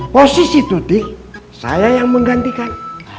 posisi tutik saya yang menggantikan